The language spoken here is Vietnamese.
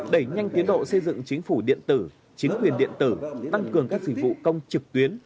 đẩy nhanh tiến độ xây dựng chính phủ điện tử chính quyền điện tử tăng cường các dịch vụ công trực tuyến